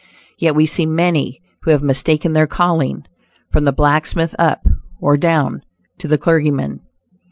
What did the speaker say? Yet we see many who have mistaken their calling, from the blacksmith up (or down) to the clergyman.